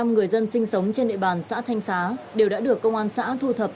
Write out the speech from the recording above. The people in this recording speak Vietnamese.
một mươi người dân sinh sống trên địa bàn xã thanh xá đều đã được công an xã thu thập